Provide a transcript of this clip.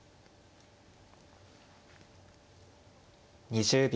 ２０秒。